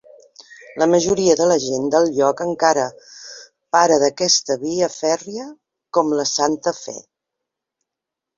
La majoria de la gent del lloc encara para d'aquesta via fèrria com la "Santa Fe".